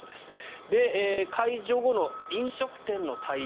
解除後の飲食店への対応